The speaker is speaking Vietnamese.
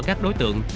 các đối tượng